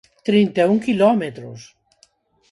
¡Trinta e un quilómetros!